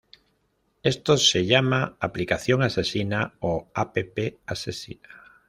Esto se llama aplicación asesina o "app asesina".